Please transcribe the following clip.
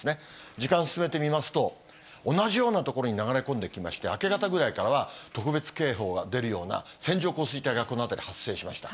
時間進めてみますと、同じような所に流れ込んできまして、明け方ぐらいからは特別警報が出るような、線状降水帯がこの辺り、発生しました。